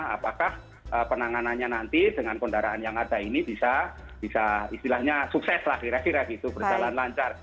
apakah penanganannya nanti dengan kendaraan yang ada ini bisa istilahnya sukses lah kira kira gitu berjalan lancar